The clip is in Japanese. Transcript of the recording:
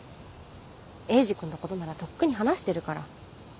エイジ君のことならとっくに話してるから。